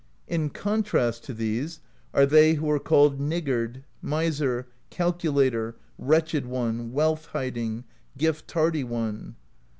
In contrast to these are they who are called Niggard, Miser, Calculator, Wretched One, Wealth Hiding, Gift Tardy One.